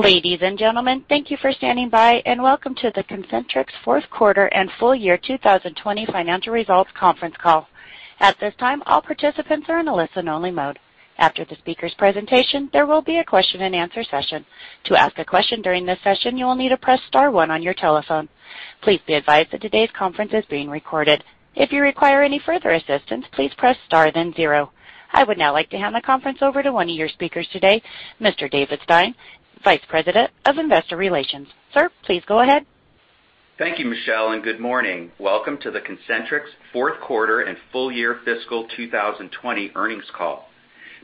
Ladies and gentlemen, thank you for standing by, and welcome to the Concentrix Fourth Quarter and Full Year 2020 Financial Results Conference Call. At this time, all participants are in a listen-only mode. After the speaker's presentation, there will be a question-and-answer session. To ask a question during this session, you will need to press star one on your telephone. Please be advised that today's conference is being recorded. If you require any further assistance, please press star then zero. I would now like to hand the conference over to one of your speakers today, Mr. David Stein, Vice President of Investor Relations. Sir, please go ahead. Thank you, Michelle, and good morning. Welcome to the Concentrix Fourth Quarter and Full Year Fiscal 2020 Earnings Call.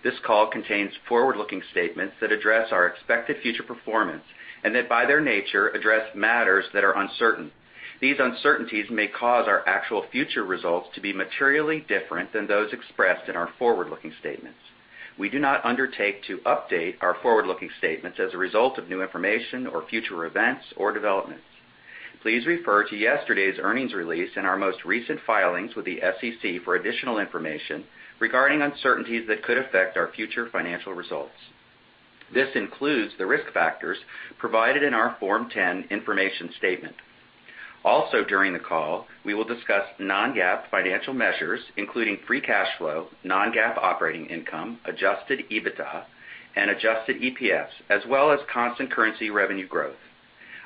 This call contains forward-looking statements that address our expected future performance and that, by their nature, address matters that are uncertain. These uncertainties may cause our actual future results to be materially different than those expressed in our forward-looking statements. We do not undertake to update our forward-looking statements as a result of new information or future events or developments. Please refer to yesterday's earnings release and our most recent filings with the SEC for additional information regarding uncertainties that could affect our future financial results. This includes the risk factors provided in our Form 10 information statement. Also, during the call, we will discuss non-GAAP financial measures, including free cash flow, non-GAAP operating income, adjusted EBITDA, and adjusted EPS, as well as constant currency revenue growth.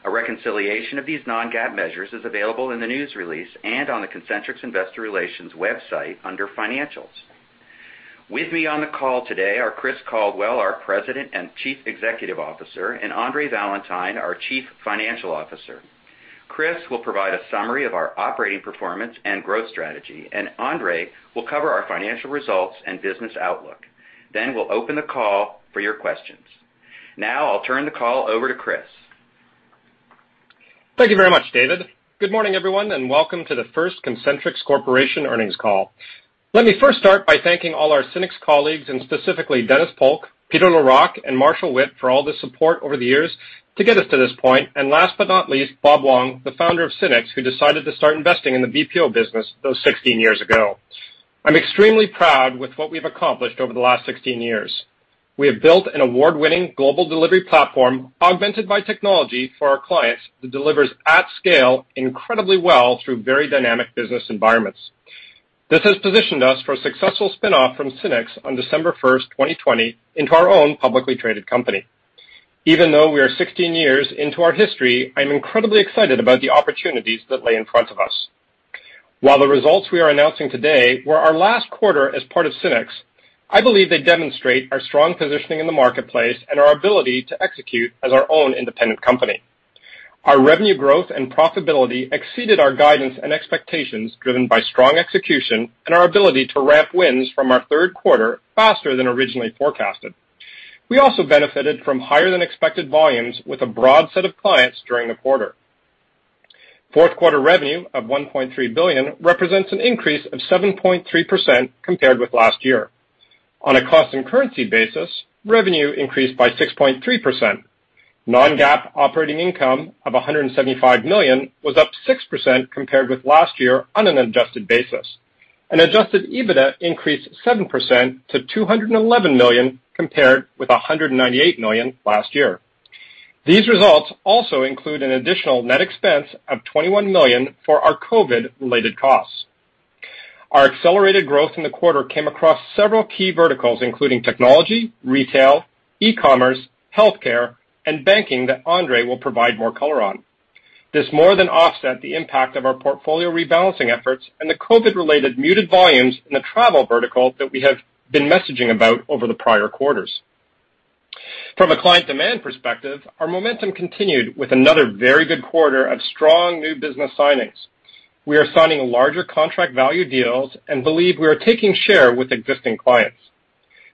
A reconciliation of these non-GAAP measures is available in the news release and on the Concentrix Investor Relations website under financials. With me on the call today are Chris Caldwell, our President and Chief Executive Officer, and Andre Valentine, our Chief Financial Officer. Chris will provide a summary of our operating performance and growth strategy, and Andre will cover our financial results and business outlook. Then we'll open the call for your questions. Now, I'll turn the call over to Chris. Thank you very much, David. Good morning, everyone, and welcome to the first Concentrix Corporation earnings call. Let me first start by thanking all our SYNNEX colleagues, and specifically Dennis Polk, Peter Larocque, and Marshall Witt for all the support over the years to get us to this point, and last but not least, Robert Huang, the founder of SYNNEX, who decided to start investing in the BPO business those 16 years ago. I'm extremely proud with what we've accomplished over the last 16 years. We have built an award-winning global delivery platform augmented by technology for our clients that delivers at scale incredibly well through very dynamic business environments. This has positioned us for a successful spinoff from SYNNEX on December 1st, 2020, into our own publicly traded company. Even though we are 16 years into our history, I'm incredibly excited about the opportunities that lay in front of us. While the results we are announcing today were our last quarter as part of SYNNEX, I believe they demonstrate our strong positioning in the marketplace and our ability to execute as our own independent company. Our revenue growth and profitability exceeded our guidance and expectations, driven by strong execution and our ability to ramp wins from our third quarter faster than originally forecasted. We also benefited from higher-than-expected volumes with a broad set of clients during the quarter. Fourth quarter revenue of $1.3 billion represents an increase of 7.3% compared with last year. On a constant currency basis, revenue increased by 6.3%. Non-GAAP operating income of $175 million was up 6% compared with last year on an adjusted basis. An adjusted EBITDA increased 7% to $211 million compared with $198 million last year. These results also include an additional net expense of $21 million for our COVID-related costs. Our accelerated growth in the quarter came across several key verticals, including technology, retail, e-commerce, healthcare, and banking that Andre will provide more color on. This more than offsets the impact of our portfolio rebalancing efforts and the COVID-related muted volumes in the travel vertical that we have been messaging about over the prior quarters. From a client demand perspective, our momentum continued with another very good quarter of strong new business signings. We are signing larger contract value deals and believe we are taking share with existing clients.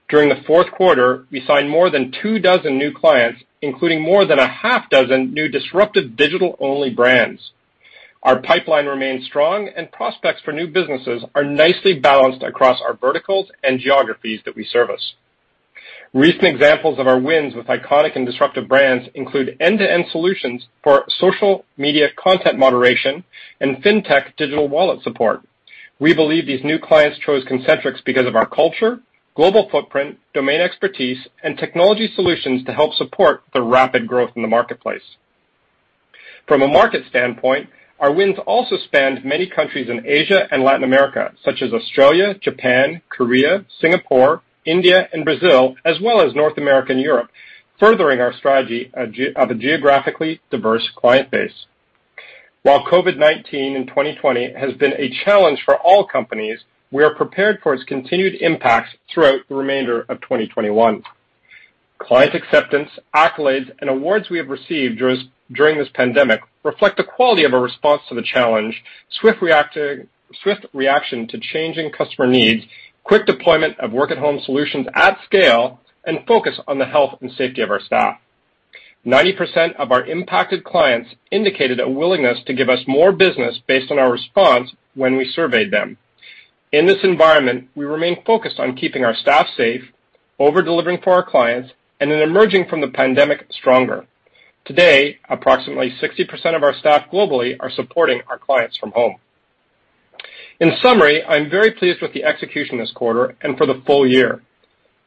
During the fourth quarter, we signed more than two dozen new clients, including more than a half dozen new disruptive digital-only brands. Our pipeline remains strong, and prospects for new businesses are nicely balanced across our verticals and geographies that we service. Recent examples of our wins with iconic and disruptive brands include end-to-end solutions for social media content moderation and fintech digital wallet support. We believe these new clients chose Concentrix because of our culture, global footprint, domain expertise, and technology solutions to help support the rapid growth in the marketplace. From a market standpoint, our wins also spanned many countries in Asia and Latin America, such as Australia, Japan, Korea, Singapore, India, and Brazil, as well as North America and Europe, furthering our strategy of a geographically diverse client base. While COVID-19 in 2020 has been a challenge for all companies, we are prepared for its continued impacts throughout the remainder of 2021. Client acceptance, accolades, and awards we have received during this pandemic reflect the quality of our response to the challenge, swift reaction to changing customer needs, quick deployment of work-at-home solutions at scale, and focus on the health and safety of our staff. 90% of our impacted clients indicated a willingness to give us more business based on our response when we surveyed them. In this environment, we remain focused on keeping our staff safe, over-delivering for our clients, and emerging from the pandemic stronger. Today, approximately 60% of our staff globally are supporting our clients from home. In summary, I'm very pleased with the execution this quarter and for the full year.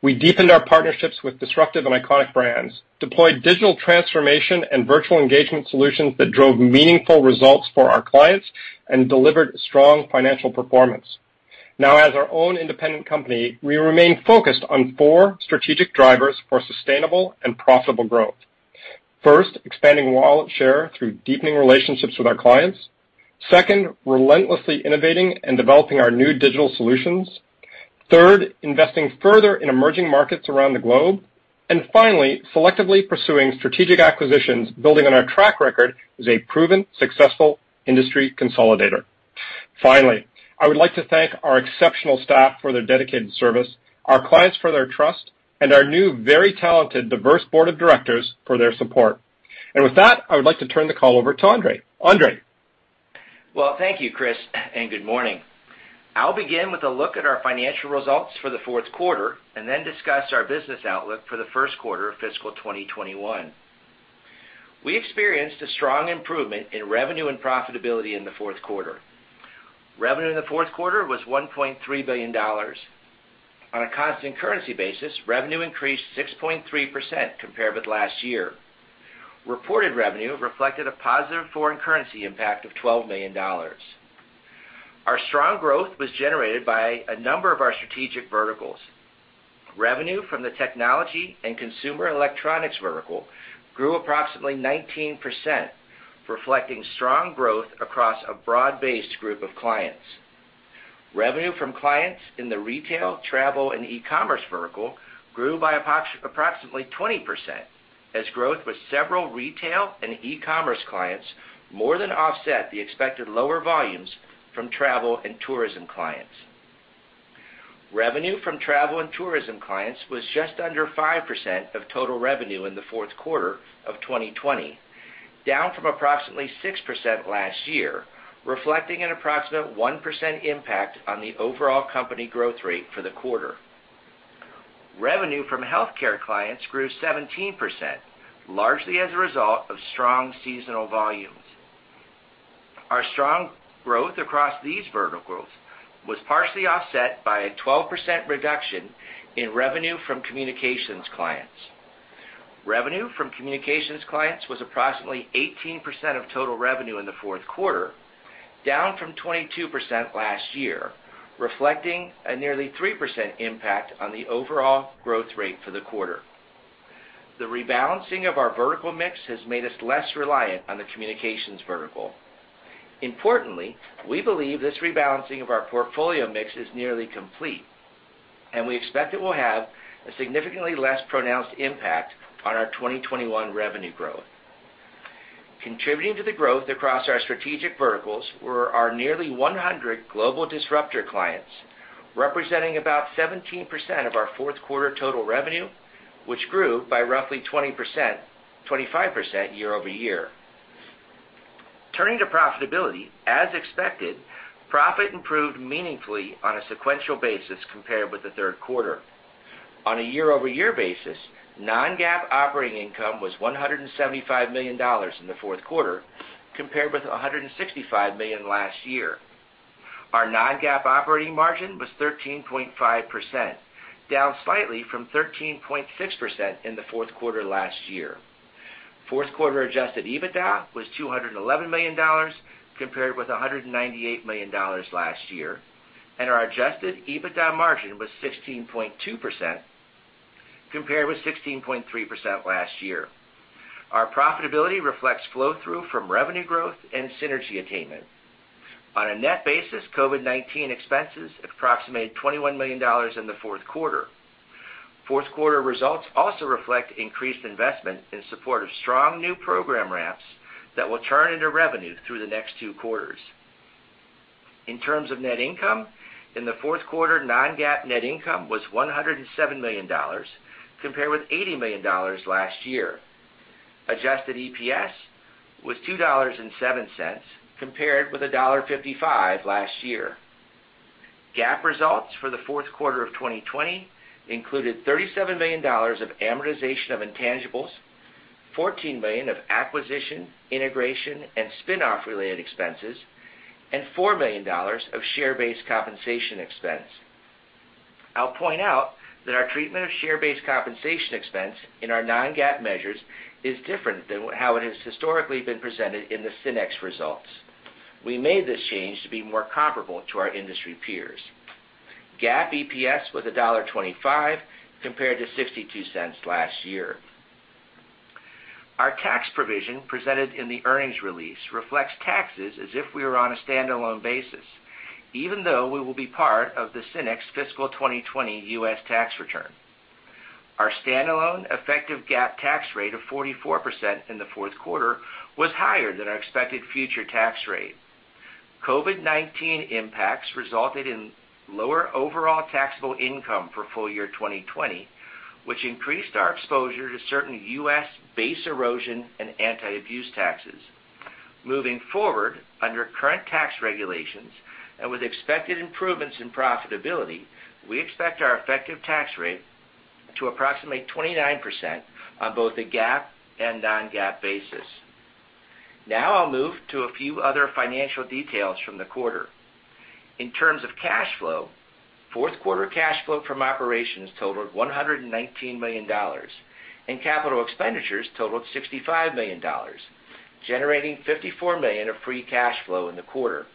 We deepened our partnerships with disruptive and iconic brands, deployed digital transformation and virtual engagement solutions that drove meaningful results for our clients, and delivered strong financial performance. Now, as our own independent company, we remain focused on four strategic drivers for sustainable and profitable growth. First, expanding wallet share through deepening relationships with our clients. Second, relentlessly innovating and developing our new digital solutions. Third, investing further in emerging markets around the globe. And finally, selectively pursuing strategic acquisitions, building on our track record as a proven, successful industry consolidator. Finally, I would like to thank our exceptional staff for their dedicated service, our clients for their trust, and our new, very talented, diverse board of directors for their support. With that, I would like to turn the call over to Andre. Andre. Well, thank you, Chris, and good morning. I'll begin with a look at our financial results for the fourth quarter and then discuss our business outlook for the first quarter of fiscal 2021. We experienced a strong improvement in revenue and profitability in the fourth quarter. Revenue in the fourth quarter was $1.3 billion. On a constant currency basis, revenue increased 6.3% compared with last year. Reported revenue reflected a positive foreign currency impact of $12 million. Our strong growth was generated by a number of our strategic verticals. Revenue from the technology and consumer electronics vertical grew approximately 19%, reflecting strong growth across a broad-based group of clients. Revenue from clients in the retail, travel, and e-commerce vertical grew by approximately 20%, as growth with several retail and e-commerce clients more than offset the expected lower volumes from travel and tourism clients. Revenue from travel and tourism clients was just under 5% of total revenue in the fourth quarter of 2020, down from approximately 6% last year, reflecting an approximate 1% impact on the overall company growth rate for the quarter. Revenue from healthcare clients grew 17%, largely as a result of strong seasonal volumes. Our strong growth across these verticals was partially offset by a 12% reduction in revenue from communications clients. Revenue from communications clients was approximately 18% of total revenue in the fourth quarter, down from 22% last year, reflecting a nearly 3% impact on the overall growth rate for the quarter. The rebalancing of our vertical mix has made us less reliant on the communications vertical. Importantly, we believe this rebalancing of our portfolio mix is nearly complete, and we expect it will have a significantly less pronounced impact on our 2021 revenue growth. Contributing to the growth across our strategic verticals were our nearly 100 global disruptor clients, representing about 17% of our fourth quarter total revenue, which grew by roughly 20%-25% year-over-year. Turning to profitability, as expected, profit improved meaningfully on a sequential basis compared with the third quarter. On a year-over-year basis, non-GAAP operating income was $175 million in the fourth quarter, compared with $165 million last year. Our non-GAAP operating margin was 13.5%, down slightly from 13.6% in the fourth quarter last year. Fourth quarter adjusted EBITDA was $211 million compared with $198 million last year, and our adjusted EBITDA margin was 16.2%, compared with 16.3% last year. Our profitability reflects flow-through from revenue growth and synergy attainment. On a net basis, COVID-19 expenses approximated $21 million in the fourth quarter. Fourth quarter results also reflect increased investment in support of strong new program ramps that will turn into revenue through the next two quarters. In terms of net income, in the fourth quarter, non-GAAP net income was $107 million, compared with $80 million last year. Adjusted EPS was $2.07, compared with $1.55 last year. GAAP results for the fourth quarter of 2020 included $37 million of amortization of intangibles, $14 million of acquisition, integration, and spinoff-related expenses, and $4 million of share-based compensation expense. I'll point out that our treatment of share-based compensation expense in our non-GAAP measures is different than how it has historically been presented in the SYNNEX results. We made this change to be more comparable to our industry peers. GAAP EPS was $1.25, compared to $0.62 last year. Our tax provision presented in the earnings release reflects taxes as if we were on a standalone basis, even though we will be part of the SYNNEX fiscal 2020 U.S. tax return. Our standalone effective GAAP tax rate of 44% in the fourth quarter was higher than our expected future tax rate. COVID-19 impacts resulted in lower overall taxable income for full year 2020, which increased our exposure to certain U.S. Base Erosion and Anti-Abuse taxes. Moving forward, under current tax regulations and with expected improvements in profitability, we expect our effective tax rate to approximate 29% on both the GAAP and non-GAAP basis. Now I'll move to a few other financial details from the quarter. In terms of cash flow, fourth quarter cash flow from operations totaled $119 million, and capital expenditures totaled $65 million, generating $54 million of free cash flow in the quarter.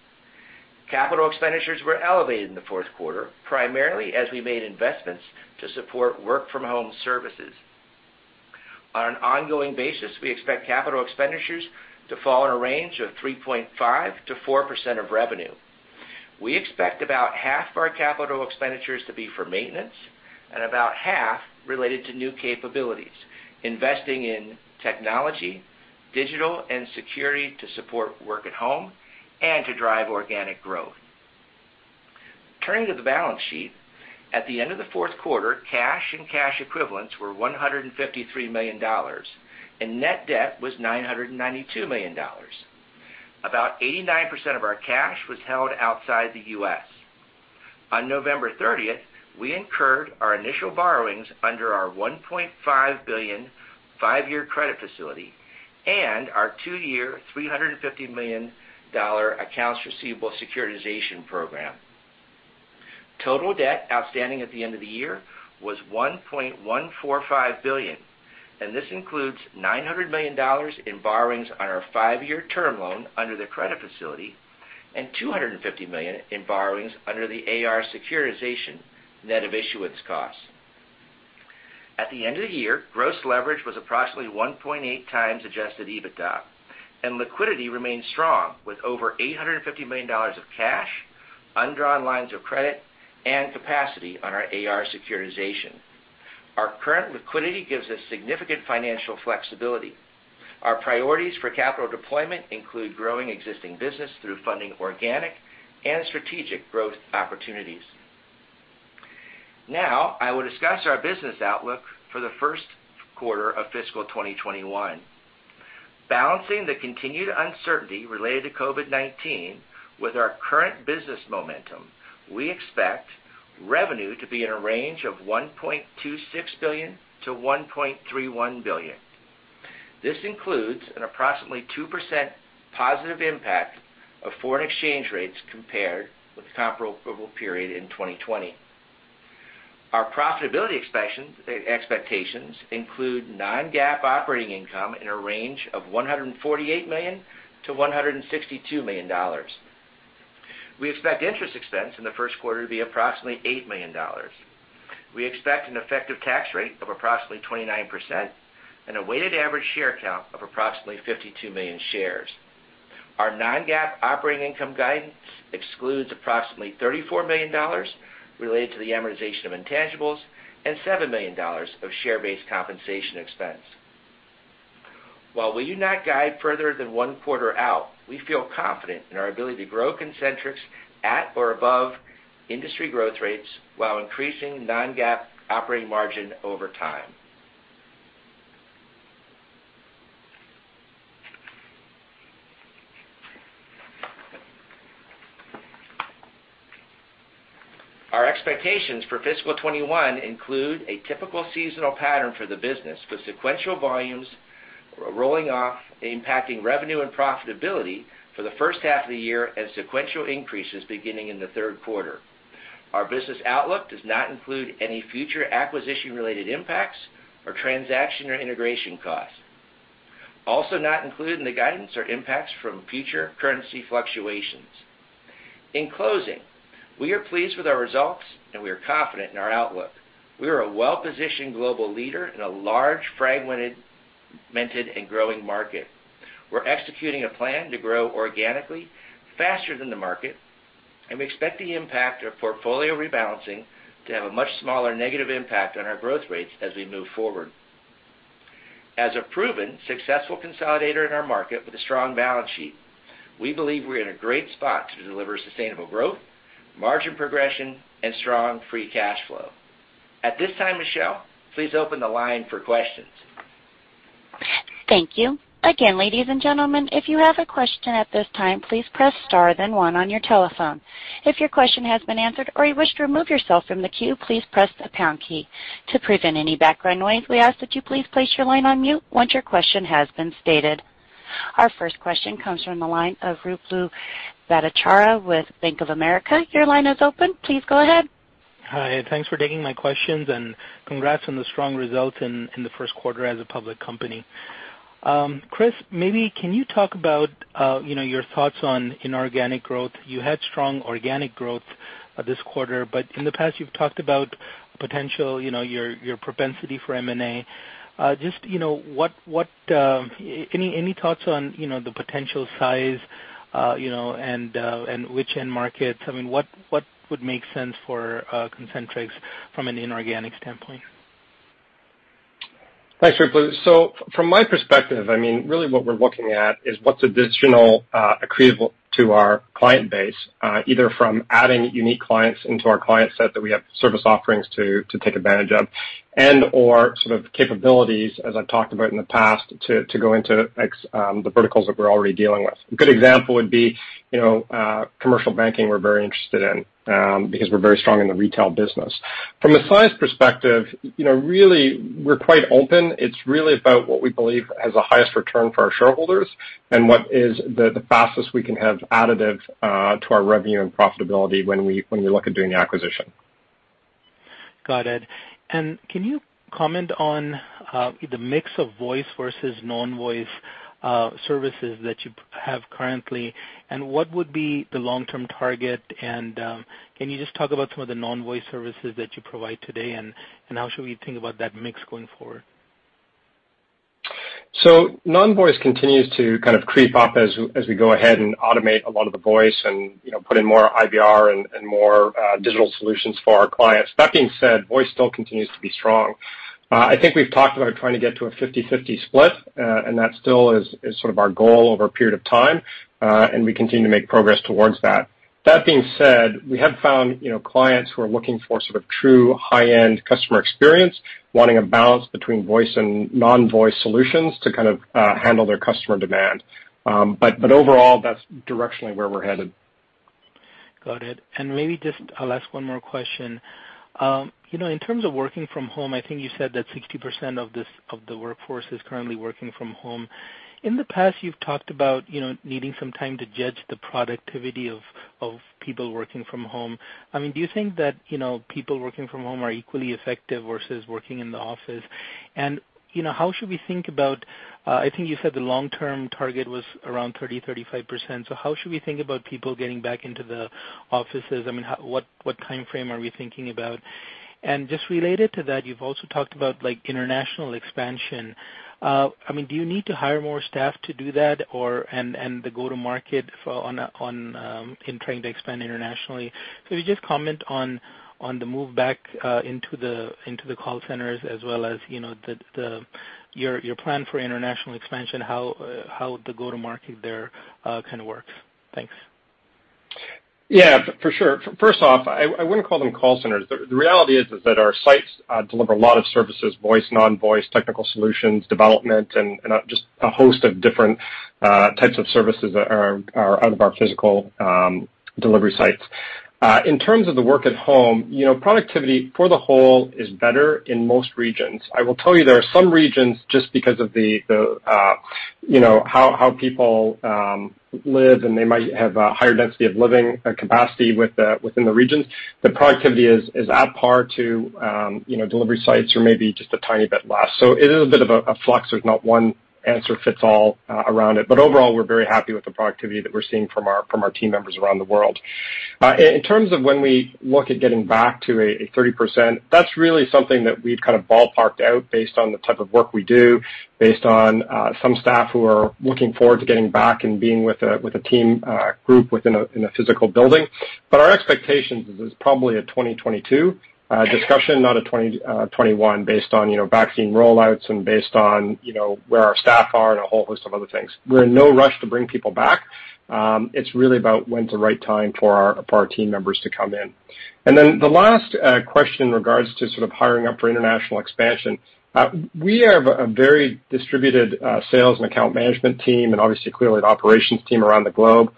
Capital expenditures were elevated in the fourth quarter, primarily as we made investments to support work-from-home services. On an ongoing basis, we expect capital expenditures to fall in a range of 3.5%-4% of revenue. We expect about half of our capital expenditures to be for maintenance and about half related to new capabilities, investing in technology, digital, and security to support work at home and to drive organic growth. Turning to the balance sheet, at the end of the fourth quarter, cash and cash equivalents were $153 million, and net debt was $992 million. About 89% of our cash was held outside the U.S. On November 30th, we incurred our initial borrowings under our $1.5 billion five-year credit facility and our two-year $350 million accounts receivable securitization program. Total debt outstanding at the end of the year was $1.145 billion, and this includes $900 million in borrowings on our five-year term loan under the credit facility and $250 million in borrowings under the AR securitization net of issuance costs. At the end of the year, gross leverage was approximately 1.8x adjusted EBITDA, and liquidity remained strong with over $850 million of cash, undrawn lines of credit, and capacity on our AR securitization. Our current liquidity gives us significant financial flexibility. Our priorities for capital deployment include growing existing business through funding organic and strategic growth opportunities. Now I will discuss our business outlook for the first quarter of fiscal 2021. Balancing the continued uncertainty related to COVID-19 with our current business momentum, we expect revenue to be in a range of $1.26 billion-$1.31 billion. This includes an approximately 2% positive impact of foreign exchange rates compared with the comparable period in 2020. Our profitability expectations include non-GAAP operating income in a range of $148 million-$162 million. We expect interest expense in the first quarter to be approximately $8 million. We expect an effective tax rate of approximately 29% and a weighted average share count of approximately 52 million shares. Our non-GAAP operating income guidance excludes approximately $34 million related to the amortization of intangibles and $7 million of share-based compensation expense. While we do not guide further than one quarter out, we feel confident in our ability to grow Concentrix at or above industry growth rates while increasing non-GAAP operating margin over time. Our expectations for fiscal 2021 include a typical seasonal pattern for the business with sequential volumes rolling off, impacting revenue and profitability for the first half of the year and sequential increases beginning in the third quarter. Our business outlook does not include any future acquisition-related impacts or transaction or integration costs. Also not included in the guidance are impacts from future currency fluctuations. In closing, we are pleased with our results, and we are confident in our outlook. We are a well-positioned global leader in a large, fragmented, and growing market. We're executing a plan to grow organically, faster than the market, and we expect the impact of portfolio rebalancing to have a much smaller negative impact on our growth rates as we move forward. As a proven successful consolidator in our market with a strong balance sheet, we believe we're in a great spot to deliver sustainable growth, margin progression, and strong free cash flow. At this time, Michelle, please open the line for questions. Thank you. Again, ladies and gentlemen, if you have a question at this time, please press star then one on your telephone. If your question has been answered or you wish to remove yourself from the queue, please press the pound key. To prevent any background noise, we ask that you please place your line on mute once your question has been stated. Our first question comes from the line of Ruplu Bhattacharya with Bank of America. Your line is open. Please go ahead. Hi. Thanks for taking my questions, and congrats on the strong results in the first quarter as a public company. Chris, maybe can you talk about your thoughts on inorganic growth? You had strong organic growth this quarter, but in the past, you've talked about potential, your propensity for M&A. Just any thoughts on the potential size and which end markets? I mean, what would make sense for Concentrix from an inorganic standpoint? Thanks, Ruplu. So from my perspective, I mean, really what we're looking at is what's additional accretive to our client base, either from adding unique clients into our client set that we have service offerings to take advantage of, and/or sort of capabilities, as I've talked about in the past, to go into the verticals that we're already dealing with. A good example would be commercial banking, which we're very interested in because we're very strong in the retail business. From a size perspective, really we're quite open. It's really about what we believe has the highest return for our shareholders and what is the fastest we can have additive to our revenue and profitability when we look at doing the acquisition. Got it. And can you comment on the mix of voice versus non-voice services that you have currently, and what would be the long-term target? And can you just talk about some of the non-voice services that you provide today, and how should we think about that mix going forward? So non-voice continues to kind of creep up as we go ahead and automate a lot of the voice and put in more IVR and more digital solutions for our clients. That being said, voice still continues to be strong. I think we've talked about trying to get to a 50/50 split, and that still is sort of our goal over a period of time, and we continue to make progress towards that. That being said, we have found clients who are looking for sort of true high-end customer experience, wanting a balance between voice and non-voice solutions to kind of handle their customer demand. But overall, that's directionally where we're headed. Got it. And maybe just I'll ask one more question. In terms of working from home, I think you said that 60% of the workforce is currently working from home. In the past, you've talked about needing some time to judge the productivity of people working from home. I mean, do you think that people working from home are equally effective versus working in the office? And how should we think about I think you said the long-term target was around 30%-35%. So how should we think about people getting back into the offices? I mean, what time frame are we thinking about? And just related to that, you've also talked about international expansion. I mean, do you need to hire more staff to do that and the go-to-market in trying to expand internationally? If you just comment on the move back into the call centers as well as your plan for international expansion, how the go-to-market there kind of works? Thanks. Yeah, for sure. First off, I wouldn't call them call centers. The reality is that our sites deliver a lot of services: voice, non-voice, technical solutions, development, and just a host of different types of services that are out of our physical delivery sites. In terms of the work at home, productivity for the whole is better in most regions. I will tell you there are some regions just because of how people live, and they might have a higher density of living capacity within the regions. The productivity is at par to delivery sites or maybe just a tiny bit less. So it is a bit of a flux. There's not one answer fits all around it. But overall, we're very happy with the productivity that we're seeing from our team members around the world. In terms of when we look at getting back to a 30%, that's really something that we've kind of ballparked out based on the type of work we do, based on some staff who are looking forward to getting back and being with a team group in a physical building, but our expectation is probably a 2022 discussion, not a 2021, based on vaccine rollouts and based on where our staff are and a whole host of other things. We're in no rush to bring people back. It's really about when's the right time for our team members to come in, and then the last question in regards to sort of hiring up for international expansion. We have a very distributed sales and account management team and obviously, clearly, an operations team around the globe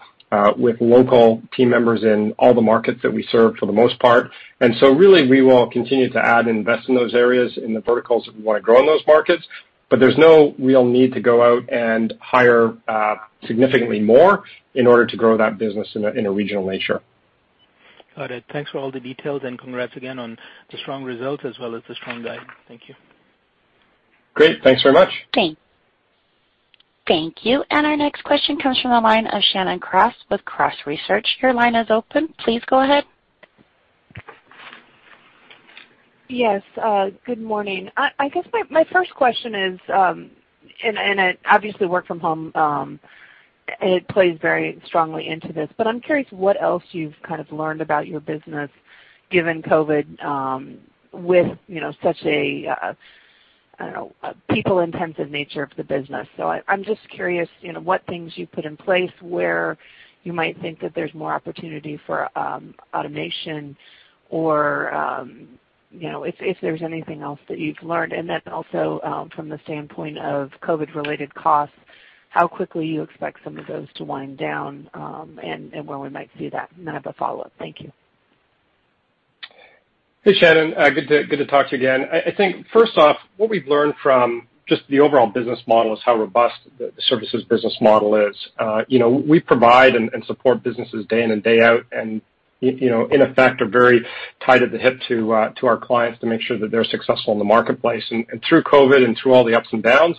with local team members in all the markets that we serve for the most part. And so really we will continue to add and invest in those areas in the verticals that we want to grow in those markets, but there's no real need to go out and hire significantly more in order to grow that business in a regional nature. Got it. Thanks for all the details and congrats again on the strong results as well as the strong guide. Thank you. Great. Thanks very much. Thank you. And our next question comes from the line of Shannon Cross with Cross Research. Your line is open. Please go ahead. Yes. Good morning. I guess my first question is, and obviously work from home plays very strongly into this, but I'm curious what else you've kind of learned about your business given COVID with such a, I don't know, people-intensive nature of the business. So I'm just curious what things you put in place where you might think that there's more opportunity for automation or if there's anything else that you've learned. And then also from the standpoint of COVID-related costs, how quickly you expect some of those to wind down and where we might see that. And then I have a follow-up. Thank you. Hey, Shannon. Good to talk to you again. I think first off, what we've learned from just the overall business model is how robust the services business model is. We provide and support businesses day in and day out and, in effect, are very tied at the hip to our clients to make sure that they're successful in the marketplace, and through COVID and through all the ups and downs,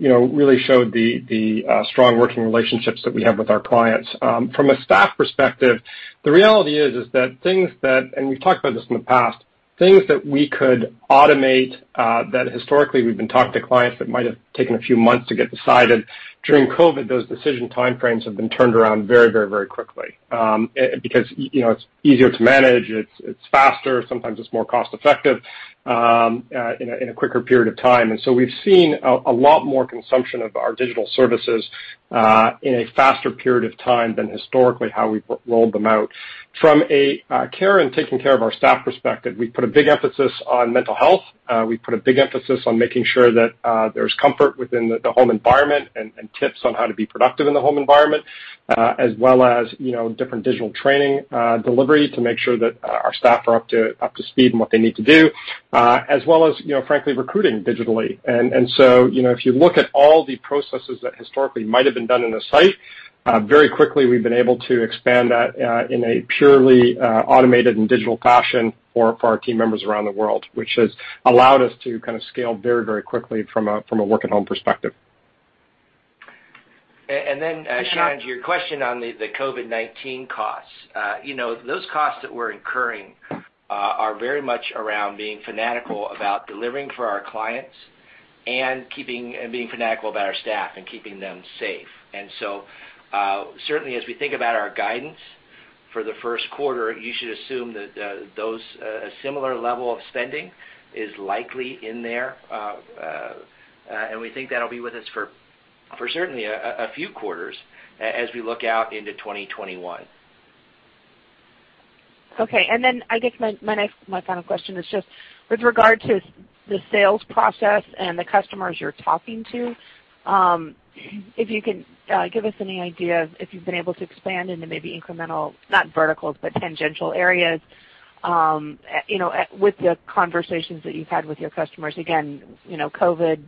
really showed the strong working relationships that we have with our clients. From a staff perspective, the reality is that things that, and we've talked about this in the past, things that we could automate that historically we've been talking to clients that might have taken a few months to get decided, during COVID those decision time frames have been turned around very, very, very quickly because it's easier to manage, it's faster, sometimes it's more cost-effective in a quicker period of time. And so we've seen a lot more consumption of our digital services in a faster period of time than historically how we've rolled them out. From a care and taking care of our staff perspective, we've put a big emphasis on mental health. We've put a big emphasis on making sure that there's comfort within the home environment and tips on how to be productive in the home environment, as well as different digital training delivery to make sure that our staff are up to speed in what they need to do, as well as, frankly, recruiting digitally. And so if you look at all the processes that historically might have been done in the site, very quickly we've been able to expand that in a purely automated and digital fashion for our team members around the world, which has allowed us to kind of scale very, very quickly from a work-at-home perspective. And then, Shannon, to your question on the COVID-19 costs, those costs that we're incurring are very much around being fanatical about delivering for our clients and being fanatical about our staff and keeping them safe. And so certainly as we think about our guidance for the first quarter, you should assume that a similar level of spending is likely in there. And we think that'll be with us for certainly a few quarters as we look out into 2021. Okay. And then I guess my final question is just with regard to the sales process and the customers you're talking to, if you can give us any idea if you've been able to expand into maybe incremental, not verticals, but tangential areas with the conversations that you've had with your customers? Again, COVID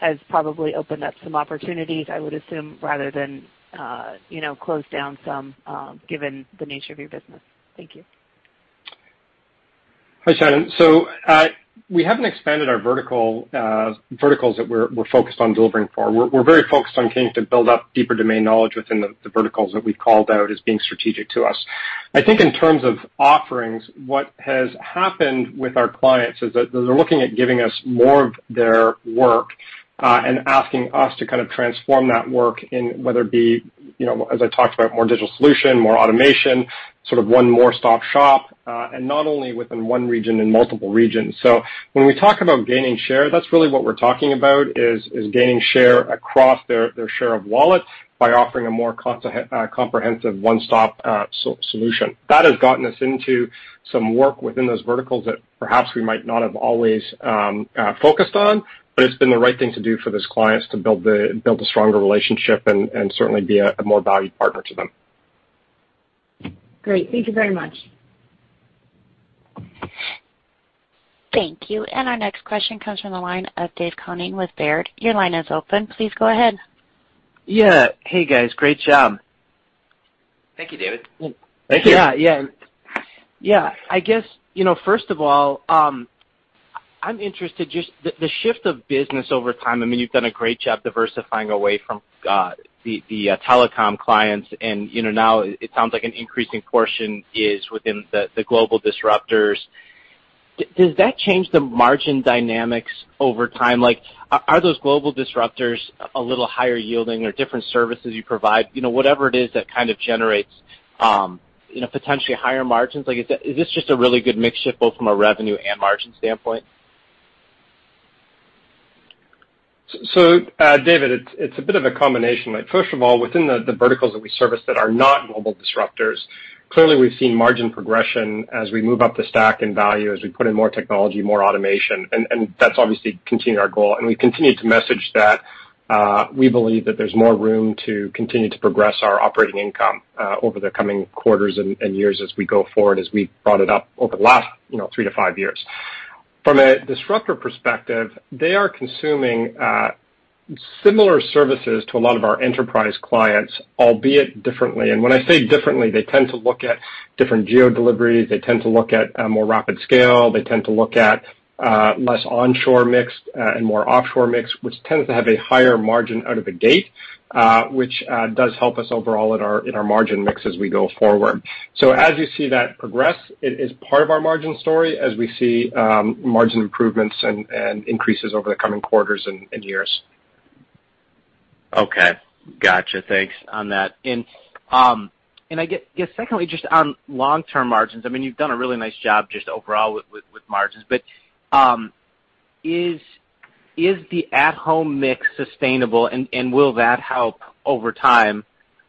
has probably opened up some opportunities, I would assume, rather than closed down some given the nature of your business. Thank you. Hi, Shannon. So we haven't expanded our verticals that we're focused on delivering for. We're very focused on getting to build up deeper domain knowledge within the verticals that we've called out as being strategic to us. I think in terms of offerings, what has happened with our clients is that they're looking at giving us more of their work and asking us to kind of transform that work in whether it be, as I talked about, more digital solution, more automation, sort of one-stop shop, and not only within one region, in multiple regions. So when we talk about gaining share, that's really what we're talking about is gaining share across their share of wallet by offering a more comprehensive one-stop solution. That has gotten us into some work within those verticals that perhaps we might not have always focused on, but it's been the right thing to do for this client to build a stronger relationship and certainly be a more valued partner to them. Great. Thank you very much. Thank you. And our next question comes from the line of David Koning with Baird. Your line is open. Please go ahead. Yeah. Hey, guys. Great job. Thank you, David. Thank you. Yeah. Yeah. Yeah. I guess first of all, I'm interested just the shift of business over time. I mean, you've done a great job diversifying away from the telecom clients, and now it sounds like an increasing portion is within the global disruptors. Does that change the margin dynamics over time? Are those global disruptors a little higher yielding or different services you provide, whatever it is that kind of generates potentially higher margins? Is this just a really good mixture both from a revenue and margin standpoint? So David, it's a bit of a combination. First of all, within the verticals that we service that are not global disruptors, clearly we've seen margin progression as we move up the stack in value, as we put in more technology, more automation, and that's obviously continued our goal. And we've continued to message that we believe that there's more room to continue to progress our operating income over the coming quarters and years as we go forward, as we brought it up over the last three to five years. From a disruptor perspective, they are consuming similar services to a lot of our enterprise clients, albeit differently. And when I say differently, they tend to look at different geo deliveries. They tend to look at more rapid scale. They tend to look at less onshore mix and more offshore mix, which tends to have a higher margin out of the gate, which does help us overall in our margin mix as we go forward. So as you see that progress, it is part of our margin story as we see margin improvements and increases over the coming quarters and years. Okay. Gotcha. Thanks on that. And I guess secondly, just on long-term margins, I mean, you've done a really nice job just overall with margins. But is the at-home mix sustainable, and will that help over time?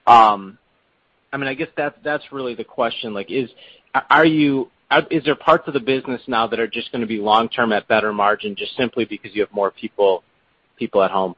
I mean, I guess that's really the question. Are there parts of the business now that are just going to be long-term at better margin just simply because you have more people at home?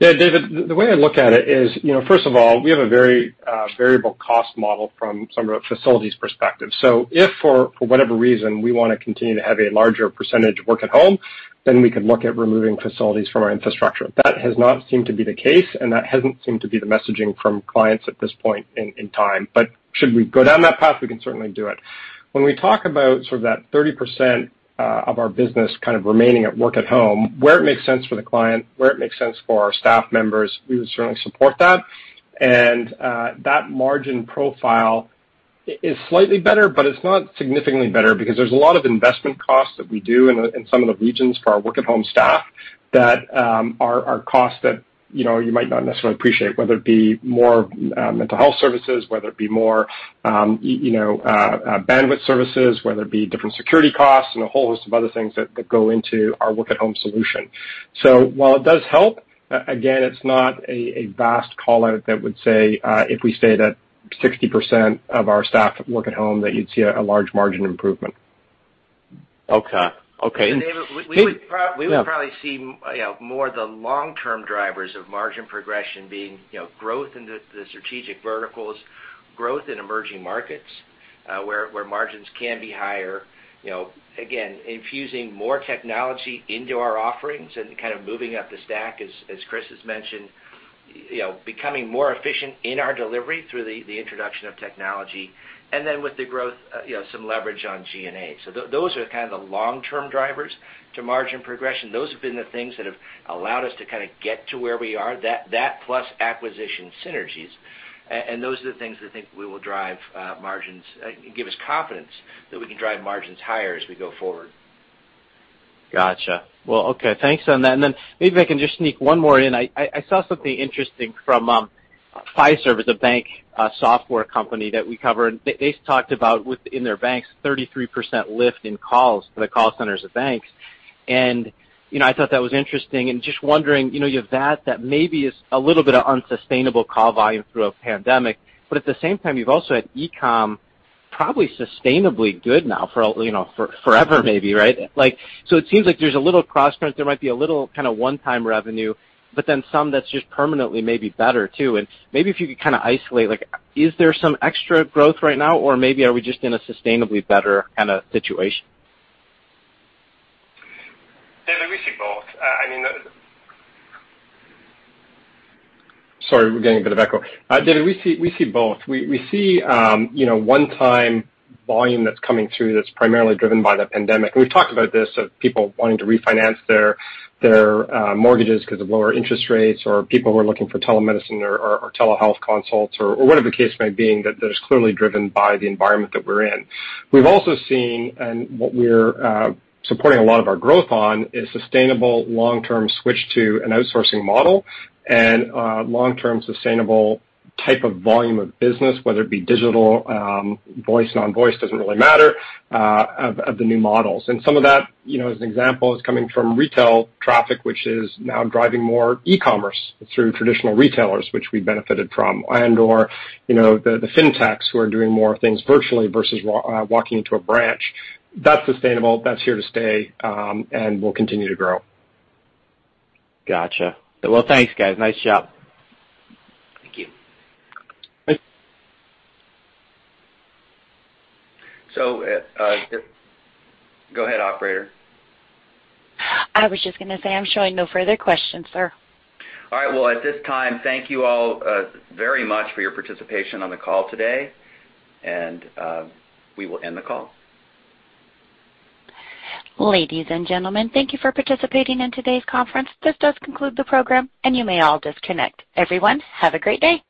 Yeah. David, the way I look at it is, first of all, we have a very variable cost model from some of the facilities' perspective. So if for whatever reason we want to continue to have a larger percentage work at home, then we could look at removing facilities from our infrastructure. That has not seemed to be the case, and that hasn't seemed to be the messaging from clients at this point in time. But should we go down that path, we can certainly do it. When we talk about sort of that 30% of our business kind of remaining at work at home, where it makes sense for the client, where it makes sense for our staff members, we would certainly support that. And that margin profile is slightly better, but it's not significantly better because there's a lot of investment costs that we do in some of the regions for our work-at-home staff that are costs that you might not necessarily appreciate, whether it be more mental health services, whether it be more bandwidth services, whether it be different security costs, and a whole host of other things that go into our work-at-home solution. So while it does help, again, it's not a vast callout that would say if we stayed at 60% of our staff work at home, that you'd see a large margin improvement. Okay. Okay. And David, we would probably see more of the long-term drivers of margin progression being growth in the strategic verticals, growth in emerging markets where margins can be higher. Again, infusing more technology into our offerings and kind of moving up the stack, as Chris has mentioned, becoming more efficient in our delivery through the introduction of technology. And then with the growth, some leverage on G&A. So those are kind of the long-term drivers to margin progression. Those have been the things that have allowed us to kind of get to where we are, that plus acquisition synergies. And those are the things that I think we will drive margins, give us confidence that we can drive margins higher as we go forward. Gotcha. Well, okay. Thanks on that, and then maybe I can just sneak one more in. I saw something interesting from Fiserv, which is a bank software company that we cover. They talked about within their banks, 33% lift in calls for the call centers of banks, and I thought that was interesting, and just wondering, you have that maybe is a little bit of unsustainable call volume through a pandemic, but at the same time, you've also had e-com probably sustainably good now forever maybe, right, so it seems like there's a little cross-current. There might be a little kind of one-time revenue, but then some that's just permanently maybe better too, and maybe if you could kind of isolate, is there some extra growth right now, or maybe are we just in a sustainably better kind of situation? David, we see both. I mean. Sorry, we're getting a bit of echo. David, we see both. We see one-time volume that's coming through that's primarily driven by the pandemic. And we've talked about this of people wanting to refinance their mortgages because of lower interest rates or people who are looking for telemedicine or telehealth consults or whatever the case may be that there's clearly driven by the environment that we're in. We've also seen, and what we're supporting a lot of our growth on is sustainable long-term switch to an outsourcing model and long-term sustainable type of volume of business, whether it be digital, voice, non-voice, doesn't really matter, of the new models. And some of that, as an example, is coming from retail traffic, which is now driving more e-commerce through traditional retailers, which we benefited from, and/or the fintechs who are doing more things virtually versus walking into a branch. That's sustainable. That's here to stay and will continue to grow. Gotcha. Well, thanks, guys. Nice job. Thank you. Thanks. So go ahead, operator. I was just going to say I'm showing no further questions, sir. All right. Well, at this time, thank you all very much for your participation on the call today. And we will end the call. Ladies and gentlemen, thank you for participating in today's conference. This does conclude the program, and you may all disconnect. Everyone, have a great day.